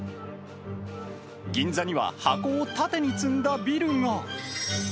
銀座には、箱を縦に積んだビルが。